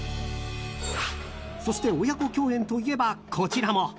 そして親子共演といえば、こちらも。